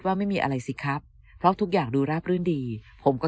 ว่าไม่มีอะไรสิครับเพราะทุกอย่างดูราบรื่นดีผมก็